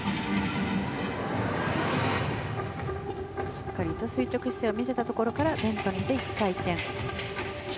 しっかりと垂直姿勢を見せたところから１回転。